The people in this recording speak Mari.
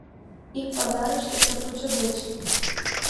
Ик пазарыште сатучо деч